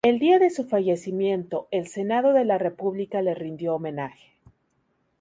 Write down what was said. El día de su fallecimiento, el Senado de la República le rindió homenaje.